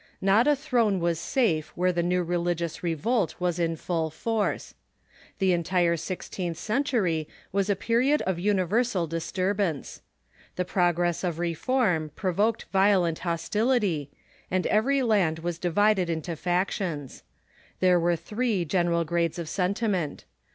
Not a throne was safe where the new religious revolt was in full force. The entire sixteenth century was a period of universal disturbance. The progress of reform provoked violent hostility, and every land was divided into factions. There were three general grades of sentiment.